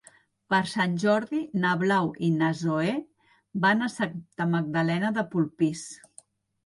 Per Sant Jordi na Blau i na Zoè van a Santa Magdalena de Polpís.